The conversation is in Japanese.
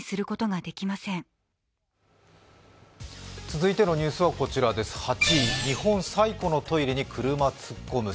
続いてのニュースはこちらです、８位、日本最古のトイレに車突っ込む３５％。